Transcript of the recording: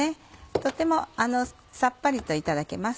とてもさっぱりといただけます。